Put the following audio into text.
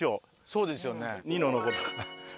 そうですよね。